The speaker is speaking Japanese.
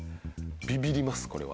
ビビりますこれは。